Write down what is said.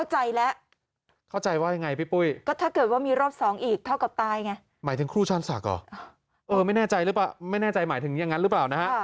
หมายถึงอย่างนั้นหรือเปล่านะฮะ